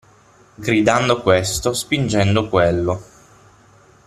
Gridando questo, spingendo quello.